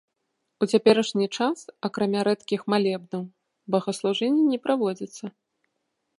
У цяперашні час, акрамя рэдкіх малебнаў, богаслужэнні не праводзяцца.